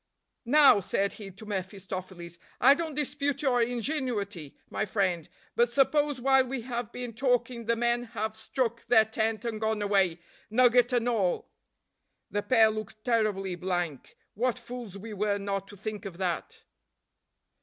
"Now," said he to mephistopheles, "I don't dispute your ingenuity, my friend, but suppose while we have been talking the men have struck their tent and gone away, nugget and all?" The pair looked terribly blank what fools we were not to think of that.